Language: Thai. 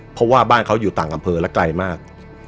เพราะว่าบ้านเขาอยู่ต่างอำเภอและไกลมาก